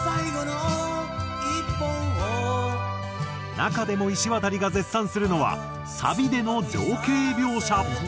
中でもいしわたりが絶賛するのはサビでの情景描写。